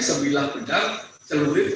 sebilah pedang celurit